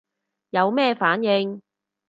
有咩反應